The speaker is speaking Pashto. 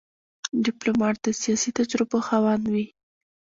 ډيپلومات د سیاسي تجربې خاوند وي.